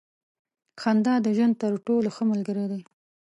• خندا د ژوند تر ټولو ښه ملګری دی.